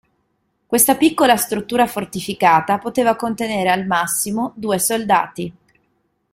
Questa piccola struttura fortificata poteva contenere al massimo due soldati.